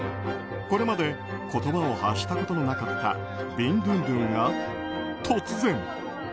これまで言葉を発したことのなかったビンドゥンドゥンが突然。